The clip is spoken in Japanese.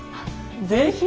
ぜひ。